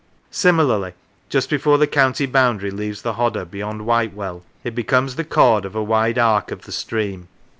Similarly, just before the county boundary leaves the Hodder, beyond Whitewell, it becomes the chord of a wide arc of the stream.